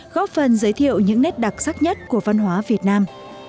góp phần giới thiệu những nét đặc sắc nhất của văn hóa việt nam